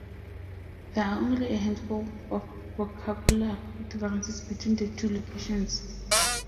There are only a handful of vocabulary differences between the two locations.